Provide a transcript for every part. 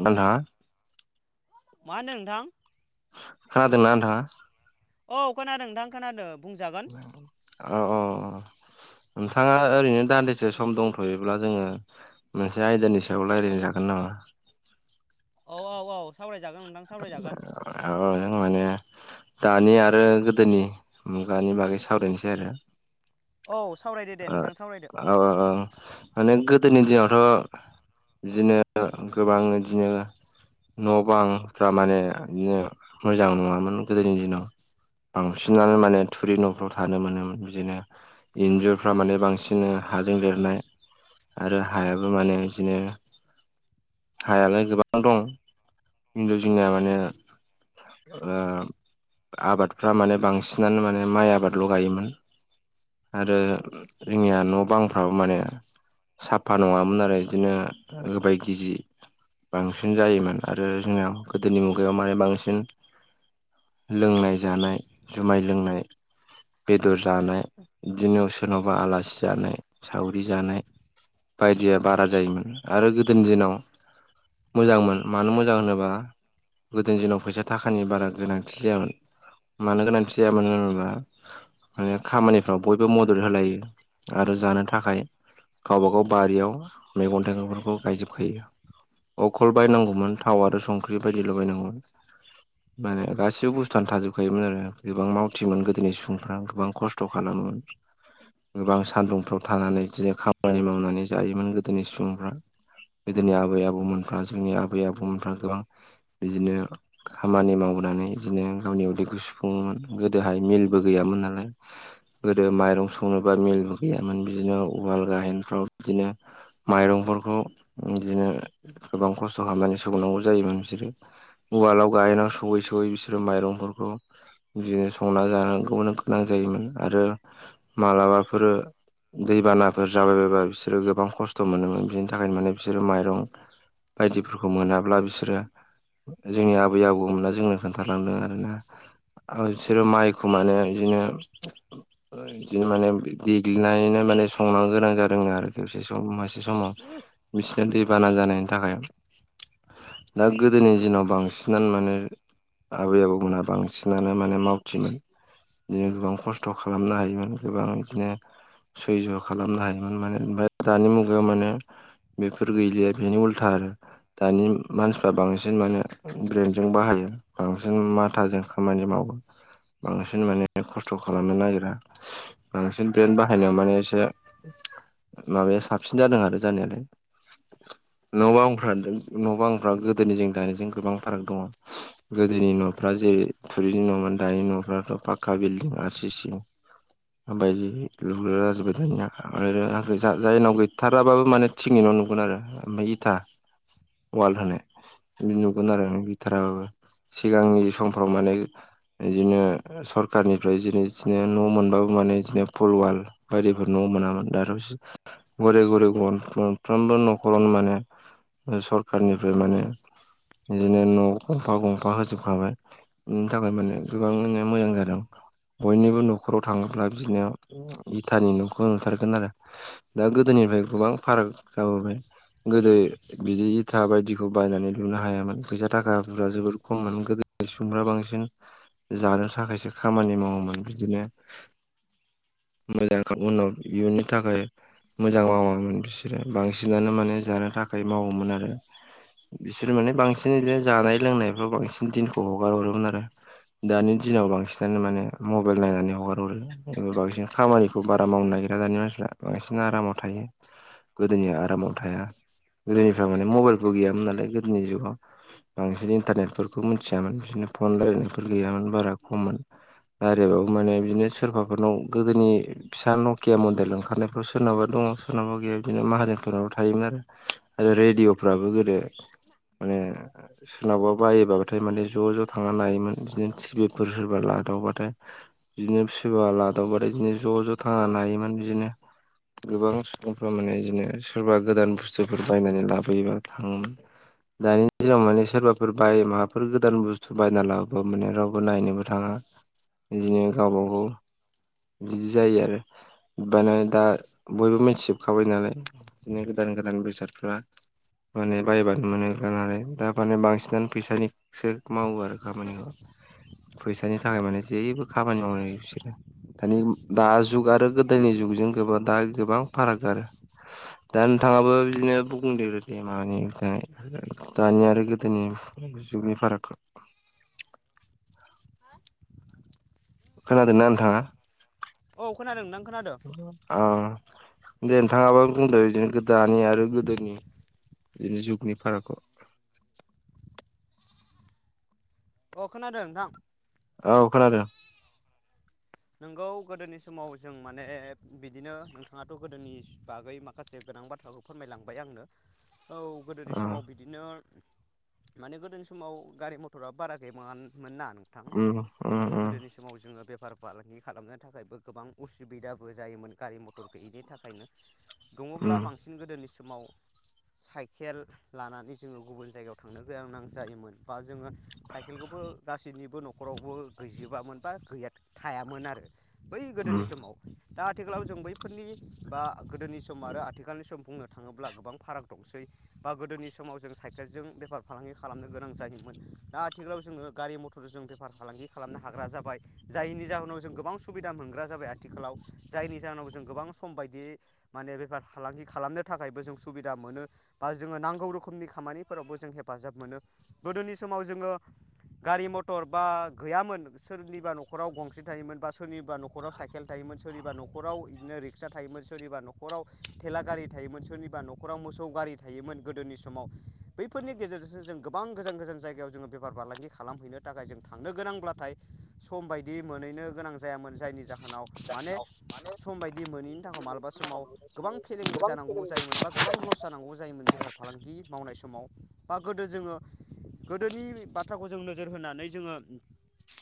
आं थाङा मा होनो नोंथां खोनादोंना नोंथांङा? औ खोनादों नोंथां खोनादों। बुंजागोन अ अ नोंथांङा ओरैनो दान्दिसे सम दंथ'यो ब्ला जोंङो मोनसे आयदानि सायाव रायलायनो हागोन नामा? औ औ औ सावरायजागोन नोंथां। सावरायजागोन औ नोंथां माने। दानि आरो गोदोनि मुगानि बागै सावरायनोसै आरो। औ सावरायदो दे नोंथां सावरायदो। औ औ औ माने गोदोनि दिनावथ' बिदिनो गोबां बिदिनो न' बांफ्रा माने। दानिया मोजां नङामोन। गोदोनि दिनाव बांसिनानो माने थुरि न'फ्राव थानो मोनोमोन बिदिनो इन्जुर फ्रा माने बांसिन हाजों लेरनाय आरो हायाबो माने बिदिनो हायालाय गोबां दं किन्तु जोंनिया माने ओ आबादफ्रा माने बांसिनानो माने माइ आबादल' गायोमोन। आरो जोंनिया न' बांफ्राबो माने साफा नङामोन आरो बिदिनो गोबाय गिजि बांसिन जायोमोन आरो जोंना गोदोनि मुगायाव माने बांसिन लोंनाय जानाय जुमाय लोंनाय। बेदर जानाय, बिदिनो सोरनावबा आलासि, जानाय सावरि जानाय। बायदिया बारा जायोमोन आरो गोदोनि दिनाव। मोजांमोन मानो मोजां होनोबा? गोदोनि दिनाव फैसा थाखानि बारा गोनांथि जायामोन। मानो गोनांथि जाया मानो होनोबा माने खामानिफ्राव बयबो मदद‌ हो होलायलायो आरो जानो थाखाय गावबागाव बारियाव मैगं थाइगंफोरखौ गायजोबखायो। अखल बायनांगौमोन थाव आरो संख्रि बायदिल' बायनांगौमोन। [inaudible] माने गासिबो बुस्थुआनो थाजोबखायोमोन आरो गोबां मावथिमोन गोदोनि सुबुंफ्रा गोबां खस्थ' खालामोमोन। गोबां सान्दुंफ्राव थानानै बिदिनो खामानि मावनानै जायोमोन गोदोनि सुबुंफ्रा। गोदोनि आबै आबौमोनफ्रा जोंनि आबै आबौमोनफ्रा गोबां बिदिनो। खामानि मावनानै बिदिनो गावनि उदैखौ सुफुङोमोन गोदोहाय मिलबो गैयामोन नालाय। गोदो माइरं संनोबा मिलबो गैयामोन बिदिनो उवाल गाहेनफ्राव बिदिनो। माइरंफोरखौ बिदिनो गोबां खस्थ' खालामनानै सौनांगौ जायोमोन बिसोरो। उवालाव गायन सौयै सौयै बिसोरो माइरंफोरखौ बिदिनो संना जानांगौनो गोनां जायोमोन आरो मालाबाफोरो। दैबानाफोर जाबाय बायबा बिसोरो गोबां खस्थ' मोनोमोन बिनि थाखायनो माने बिसोरो माइरं। बायदिफोरखौ मोनाब्ला बिसोरो। जोंनि आबै आबौमोना जोंनो खोन्थालांदों आरोना। आरो बिसोरो माइखौ माने बिदिनो। बिदिनो माने देग्लिनानैनो माने संनो गोनां जादों आरो। दसे सम मासे समाव बिसोरना दै बाना जानायनि थाखाय। दा गोदोनि दिनाव बांसिनानो माने आबै आबौमोनहा बांसिनानो माने मावथिमोन बिदिनो गोबां खस्थ' खा खालामनो हायोमोन गोबां बिदिनो सैज्य' खालामनो हायोमोन माने ओमफाय दानि मुगायाव माने। बेफोर गैलिया बेनि उल्था आरो। दानि मानसिफ्रा बांसिन माने ब्रेन्डजों बाहायो। बांसिन माथाजों खामानि मावो बांसिन माने खस्थ' खालामनो नागिर बांसिन ब्रेन्ड बाहायनायाव माने एसे माबाया साबसिन जादों आरो जानायालाय। न' बांंफ्रा न' बांंफ्रा गोदोनिजों दानिजों गोबां फाराग दङ। गोदोनि न'फ्रा जेरै थुरिनि न'मोन दानि न'फ्राथ' पाक्का बिल्डिं आर सि सि बायदि लुगलाजोबबाय दानिया आरो जायनाव गैथाराबाबो माने थिंनि न' नुगोन आरो ओमफ्राय इथा वाल होनाय बिदि नुगोन आरो गैथाराबो। सिगांनि समफ्राव माने बिदिनो सरखारनिफ्राय जोंनो बिदिनो न' मोनबाबो माने बिदिनो फुलवाल बायदिफोर न' मोनामोन दाथ' घरै घरै मोनफ्रोमबो न'खरनो माने सरखारनिफ्राय माने बिदिनो न' गंफा गंफा होजोबखाबाय। बिनि थाखाय माने गोबां माने मोजां जादों बयनिबो न'खर न'खराव थाङोब्ला बिदिनो इथानि न'खौ ओंखारगोन आरो दा गोदोनिफ्राय गोबां फाराग जाबोबाय गोदो बिदि इथा बायदिखौ बायनानै लुनो हायामोन फैसा थाखाफोरा जोबोद खममोन गोदो बेसुमफ्रा बांसिन जानो थाखायसो खामानि मावोमोन बिदिनो। मोजां ओं उनाव इयुननि थाखाय मोजां मावामोन बिसोरो बांसिनानो माने जानो थाखाय मावोमोन आरो। बिसोर माने बांसिन बिदिनो जानाय लोंनायफ्राव बांसिन दिनखौ हगार हरोमोन आरो। दानि दिनाव बांसिनानो माने मबाइल नायनानै हगारहरो जे बांसिन खामानिखौ बारा मावनो नागिरा दानि मानसिफ्रा बांसिन आरामाव थायो। गोदोनि आरामाव थाया गोदोनिफ्रा माने मबाइलबो गैयामोन नालाय गोदोनि जुगाव बांसि दिन इन्टारनेटफोरखौ मिथियामोन बिदिनो फन रायलायनायफोर गैयामोन बारा खममोन रायलायबाबो माने बिदिनो सोरबाफोरनाव गोदोनि फिसा नकिया मन्दिर ओंखारनायफ्राव सोरनाबा दङ सोरनावाबा गैया बिदिनो माहाजोनफोरनावा थायोमोन आरो। आरो रेडिअ'फ्राबो गोदो माने सोरनावबा बायोबाथाय माने ज' ज' थांना नायोमोन बिदिनो टिभिफोर सोरबा लादावबाथाय बिदिनो सोरबा लादावबाथाय बिदिनो ज' ज' थांना नायोमोन बिदिनो गोबां सुबुंफ्रा माने बिदिनो सोरबा गोदान बुस्थुफोर बायनानै लाबोयोबा थाङोमोन दानि दिगाव माने सोरबाफोर बाय माबाफोर गोदान बुस्थु बायना लाबोबा माने रावबो नायनोबो थाङा बिदिनो गावबाागाव बिदि जायो आरो बायनानै दा बयबो मिथिजोबखाबाय नालाय बिदिनो गोदान गोदान बेसादफ्रा माने बायबानो मोनोलाय दा माने बांसिनानो फैसानि सो मावो आरो खामानिखौ फैसानि थाखाय माने जेबो खामानि मावनाय बिसोरो दानि दा जुग आरो गोदोनि जुगजों गोब दा गोबां फाराग आरो। दा नोंथाङाबो बिदिनो बुंदेरो दे मानि दानि आरो गोदोनि जुगनि फारागखौ खोनादोना नोंथाङा औ खोनादों नोंथां खोनादों। अ दे नोंथाङाबानो बुंदों बिदिनो दानि आरो गोदोनि बिदिनो जुगनि फारागखौ अ खोनादों नोंथां। औ खोनादों नोंगौ गोदोनि समाव जों माने बिदिनो नोंथाङाथ' गोदोनि बागै माखासे गोनां बाथ्राखौ फोरमायलांबाय आंनो औ गोदोनि अ समाव बिदि बिदिनो माने गोदोनि समाव गारि मथरा बारा गैबाङामोन ना। थां उम उम आरो उम गोदोनि समाव जोङो बेफार फालांगि खालामनो थाखायबो गोबां उसुबिदाबो जायोमोन गारि मथर गैयिनि थाखायनो दङब्ला उम बांसिन गोदोनि समाव साइकेल लानानै जोंङो गुबुन जायगायाव थांनो गोनां जायोमोन बा जोंङो साइकेलखौबो गासैनिबो न'खरावबो गैजोबामोन बा गैया थायामोन आरो बै उम गोदोनि समाव दा आथिखालाव जों बैफोरनि बा गोदोनि सम आरो आथिखालनि सम बुंनो थांङोब्ला गोबां फाराग दंसै बा गोदोनि समाव जों साइकेलजों बेफार फालांगि खालामनो गोनां जायोमोन दा आथिखालाव जोंङो गारि मथर मथरफोर जों बेफार फालांगि खालामनो हाग्रा जाबाय। जायनि जाहोनाव जों गोबां सुबिदा मोनग्रा जाबाय आथिखालाव। जायनि जाहोनाव जों गोबां सम बायदियै माने बेफार फालांगि खालामनो थाखायबो जों सुबिदा मोनो। बा जोङो नांगौ रोखोमनि खामानिफोरावबो जों हेफाजाब मोनो। गोदोनि समाव जोङो गारि मथर बा गैयामोन सोरनिबा न' न'खराव गंसे थायोमोन बा सोरनिबा न'खराव साइकेल थायोमोन सोरनिबा न'खराव इदिनो रिक्सा थायोमोन सोरनिबा न' खराव थेला गारि थायोमोन सोरनिबा न'खराव मोसौ गारि थायोमोन गोदोनि समाव। बैफोरनि गेजेरजोंसो जों गोबां गोजान गोजान जायगायाव जोंङो बेफार फालांगि खालामहैनो थाखाय जों थांनो गोनांब्लाथाय। सम बायदि मोनहैनो गोनां जायामोन जायनि जाहोनाव माने सम बायदि मोनैनि थाखाय मालाबा समाव गोबां फेलें जानांगौबो जायोमोन बा गोबां लस जानौ जायोमोन बेफार फालांगि मावनाय समाव बा गोदो जोंङो। गोदोनि बाथ्राखौ जों नोजोर होनानै जोंङो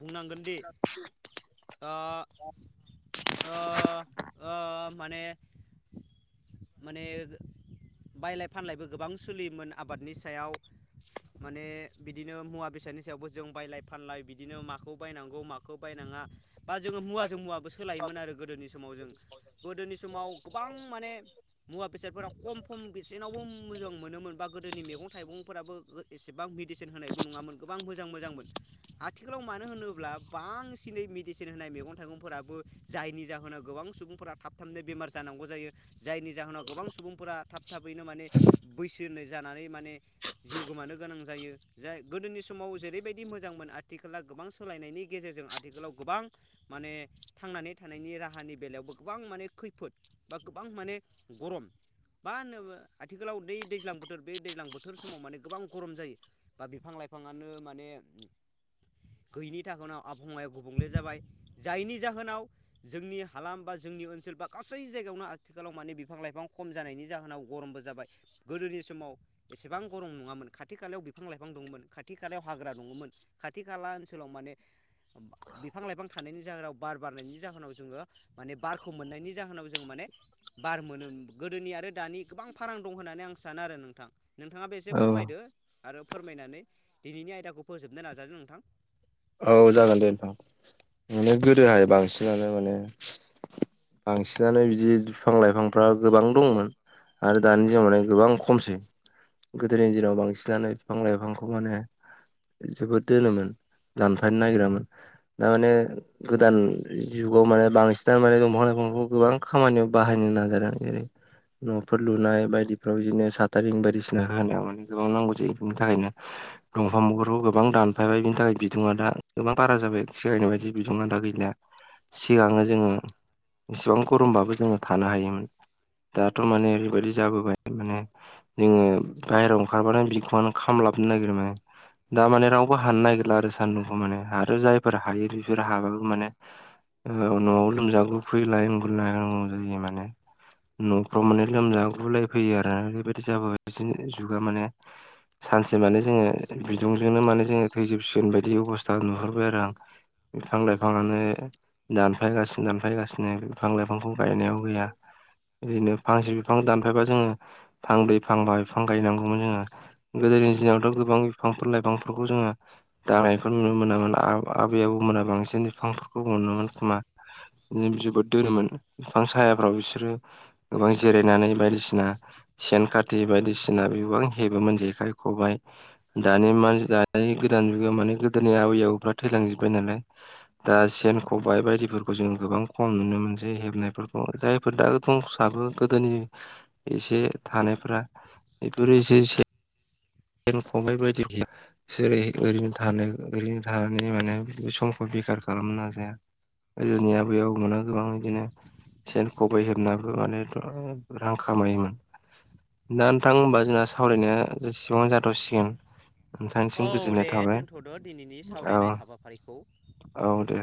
बुंनांगोन बि ओ ओ ओ माने माने बायलाय फानलायबो गोबां सोलियोमोन आबादनि सायाव। माने बिदिनो मुवा बेसादनि सायावबो जों बायलाय फानलाय बिदिनो माखौ बायनां गौ माखौ बायनाङा बा जोङो मुवाजों मुवाबो सोलायोमोन आरो गोदोनि समाव जों। गोदोनि समाव गोबां माने मुवा बेसादफोरा खम खम बेसेनावबो मोजां मोनोमोन बा गोदोनि मेगं थाइगंफोराबो [unintelligible] एसेबां मेडिसिन होनायबो नङामोन गोबां मोजां मोजांमोन। आथिखालाव मानो होनोब्ला बांसिनै मेडिसिन होनाय मैगं थाइगंफोराबो जायनि जाहोनाव गोबां सुबुंफोरा थाब थाबनो बेमार जानांगौ जायो जायनि जाहोनाव गोबां सुबुंफोरा थाब थाबैनो माने बैसोनो जानानै माने जिउ गोमानो गोनां जायो। जा गोदोनि समाव जेरैबायदि मोजांमोन आथिखाला गोबां सोलायनायनि गेजेरजों आथिखालाव गोबां माने थांनानै थानायनि राहानि बेलायावबो गोबां माने खैफोद बा गोबां माने गरम मा होनो आथिखालाव दै-दैज्लां बोथोर बै दैज्लां बोथोर समाव माने गोबां गरम जायो। बा बिफां लाइफाङानो माने गैयिनि थाखोनाव आबहावायाव गुबुंले जाबाय। जायनि जाहोनाव जोंनि हालाम बा जोंनि ओनसोल बा गासै जायगायावनो आथिखालाव माने बिफां लाइफां खम जानायनि जाहोनाव गरमबो जाबाय गोदोनि समाव एसेबां गरम नङामोन खाथि खालायाव बिफां लाइफां दङ'मोन खाथि खालायाव हाग्रा दङ'मोन। खाथि खाला ओनसोलाव माने बा बिफां लाइफां थानायनि जाहोनाव बार बारनायनि जाहोनाव जोंङो माने बारखौ मोननायनि जाहोनाव जोंङो माने बार मोनो गोदोनि आरो दानि गोबां फारां दं होननानै आं सानो आरो नोंथां। नोंथाङाबो एसे औ फोरमायदो आरो फोरमायनानै दिनैनि आयदाखौ फोजोबनो नाजादो नोंथां। औ जागोन दे नोंथां। माने गोदोहाय बांसिनानो माने बांसिनानो बिदि बिफां लाइफांफ्रा गोबां दंमोन। आरो दानि दिनाव माने गोबां खमसै। गोदोनि दिनाव बांसिनानो फिफां लाइफांखौ माने जोबोद दोनोमोन। दानफायनो नागिरामोन दा माने गोदान जुगाव माने बांसिनानो माने दंफां लाइफांखौ गोबां खामानियाव बाहायनो नाजादों जेरै न'फोर लुनाय बायदिफ्राव बिदिनो साथारिं बायदिसिना हानायाव माने गोबां नांगौ जायो बिनि थाखायनो। दंफांफोरखौ गोबां दानफायबाय बिनि थाखाय बि दुङा दा गोबां बारा जाबाय सिगांनि बायदि बिदुङा दा गैलिया। सिगाङो जोङो इसेबां गरमबाबो जोङो थानो हायोमोन। दाथ' माने बेबायदि जाबोबाय माने जोङो बायहेरायाव ओंखारबानो बिखुङानो खामलाबनो नागिरो माने। दा माने रावबो हानो नागिरला आरो सान्दुंखौ माने आरो जायफोर हायो बिसोरो हाबाबो माने न'आव लोमजागु फैलाय [unintelligible] नांगौ जायो माने न'फ्राव माने लोमजागु लायफैयो आरो बेबायदि जाबोगासिनो जुगा माने। सानसे माने जोङो बिदुंजोंनो माने जोङो थैजोबसिगोन बायदि अबस्था नुहरबाय आरो आं। बिफां लायफाङानो दानफायगासिनो दानफायगासिनो बिफां लाइफांखौ गायनायाव गैया। बिदिनो फांसे बिफां दानफायबा जोङो फांब्रै फांबा बिफां गायनांगौमोन जोङो। गोदोनि दिनावथ' गोबां बिफांफोर लाइफांफोरखौ जोङो दाननायफोर नुनो मोनामोन आब आबै आबौमोना बांसिन बिफांफोरखौ अनोमोन खोमा। बिदि जोबोद दोरोमोन बिफां सायाफ्राव बिसोरो गोबां जिरायनानै बायदिसिना सेन खाथि बायदिसिना बिबां हेबोमोन जेखाइ खबाइ दानि मानसि दानि गोदान जुगायाव माने गोदोनि आबै आबौफ्रा थैलांजोब्बाय नालाय। दा सेन खबाय बायदिफोरखौ जों गोबां खम नुनो मोनसै हेबनायफोरखौ जाय [unintelligible] दंसाबो गोदोनि एसे थानायफ्रा बेफोर एसे एसे सेन खबाय बायदि गैया जोरै ओरैनो थानो ओरैनो थानानै माने बि समखौ बेखार खालामनो नाजाया। गोदोनि आबै आबौमोना गोबां बिदिनो सेन खबाइ हेबनाबो माने गोबां रां खामायोमोन। दा नोंथां होनबा जोंना सावरायनाया जेसेबाङावनो जाथ'सिगोन। औ नोंथांनिसिम दे गोजोननाय थाबाय दोनथ'द' दिनैनि औ सावरायनाय हाबाफारिखौ औ दे।